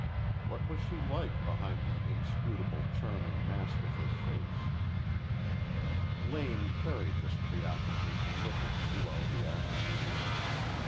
What was she like behind the inscrutable, charming mask of her face? Lane carried this preoccupation with him throughout the afternoon.